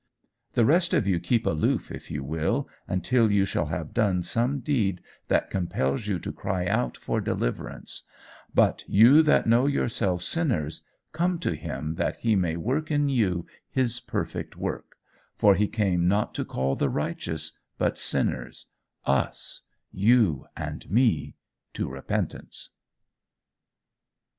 The rest of you keep aloof, if you will, until you shall have done some deed that compels you to cry out for deliverance; but you that know yourselves sinners, come to him that he may work in you his perfect work, for he came not to call the righteous, but sinners, us, you and me, to repentance."